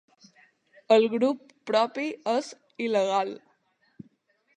El grup propi és il·legal